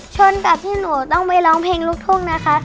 ชนกับที่หนูต้องไปร้องเพลงลูกทุ่งนะคะ